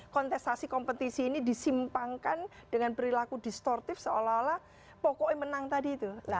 kontestasi kompetisi ini disimpangkan dengan perilaku distortif seolah olah pokoknya menang tadi itu